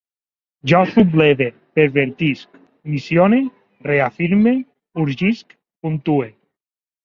Jo subleve, pervertisc, missione, reafirme, urgisc, puntue